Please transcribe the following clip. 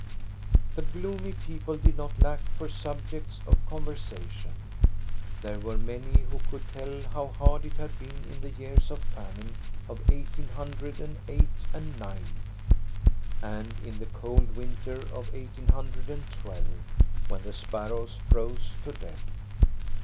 The gloomy people did not lack for subjects of conversation. There were many who could tell how hard it had been in the years of famine of eighteen hundred and eight and nine, and in the cold winter of eighteen hundred and twelve, when the sparrows froze to death.